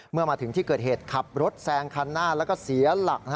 เมื่อมาถึงที่เกิดเหตุขับรถแซงคันหน้าแล้วก็เสียหลัก